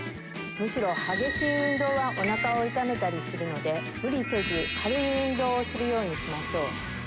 むしろ激しい運動はお腹を痛めたりするので。をするようにしましょう。